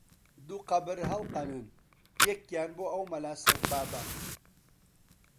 -دوو قەبر هەڵقەنن، یەکیان بۆ ئەو مەلا سەگبابە!